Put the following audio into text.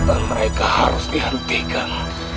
kejahatan mereka harus dihentikan